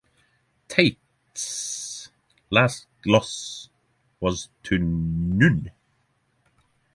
Tate's last loss was to Nunn.